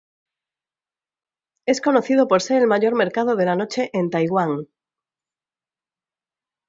Es conocido por ser el mayor mercado de la noche en Taiwán.